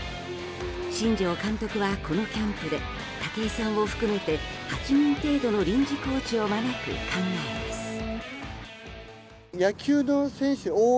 新庄監督は、このキャンプで武井さんを含めて８人程度の臨時コーチを招く考えです。